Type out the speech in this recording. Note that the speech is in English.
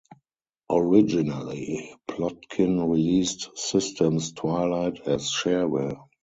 Originally, Plotkin released System's Twilight as shareware.